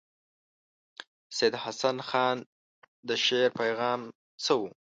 سید حسن خان د شعر پیغام څه وو.